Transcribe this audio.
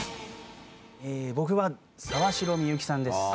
僕は沢城みゆきさんです。